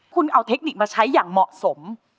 ได้รับเทคนิคมาใช้อย่างเหมาะสม